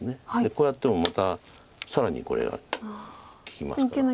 こうやってもまた更にこれが利きますから。